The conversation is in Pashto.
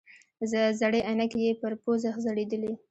زړې عینکې یې پر پوزه ځړېدلې.